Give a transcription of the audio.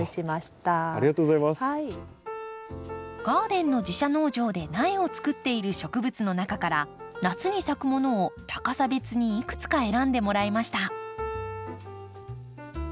ガーデンの自社農場で苗をつくっている植物の中から夏に咲くものを高さ別にいくつか選んでもらいました。